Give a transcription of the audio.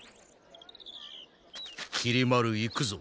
きり丸行くぞ。